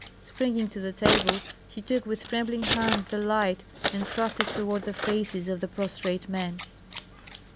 Springing to the table, he took with trembling hand the light and thrust it toward the faces of the prostrate men.